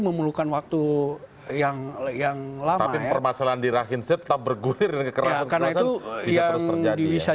memerlukan waktu yang yang lama ya permasalahan di rahim setelah bergulir karena itu yang bisa